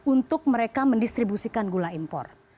untuk mereka mendistribusikan gula impor